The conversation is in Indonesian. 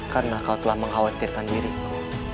karena kau telah mengkhawatirkan diriku